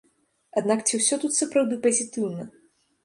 Аднак ці ўсё тут сапраўды пазітыўна?